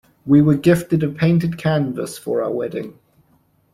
We were gifted a painted canvas for our wedding.